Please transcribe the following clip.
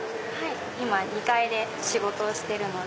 今２階で仕事をしてるので。